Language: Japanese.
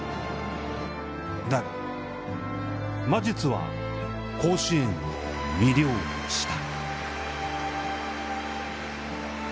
だが、魔術は甲子園を魅了した。